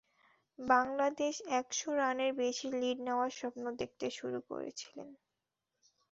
বাংলাদেশ এক শ রানের বেশি লিড নেওয়ার স্বপ্ন দেখতে শুরু করেছিল তখন।